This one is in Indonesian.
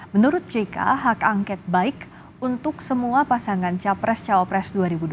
menurut jk hak angket baik untuk semua pasangan capres cawapres dua ribu dua puluh